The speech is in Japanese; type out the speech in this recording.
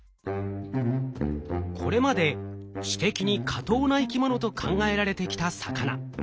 これまで知的に下等な生き物と考えられてきた魚。